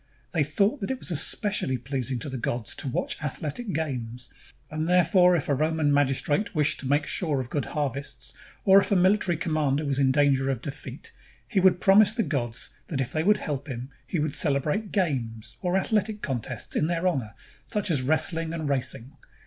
They thought that it was especially pleasing to the gods to watch athletic games; and therefore if a Roman magistrate wished to make sure of good harvests, or if a military commander was in danger of defeat, he would promise the gods that if they would help him, he would celebrate games, or athletic contests, in their honor, such as wrestling and racing.